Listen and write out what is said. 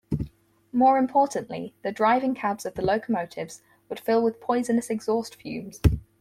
More importantly, the driving cabs of the locomotives would fill with poisonous exhaust fumes.